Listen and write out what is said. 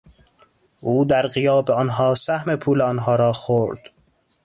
او در غیاب آنها سهم پول آنها را خورد.